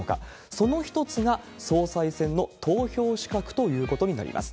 その一つが、総裁選の投票資格ということになります。